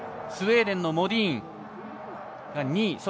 スウェーデンのモディーンが２位。